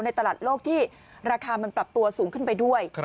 ตลาดโลกที่ราคามันปรับตัวสูงขึ้นไปด้วย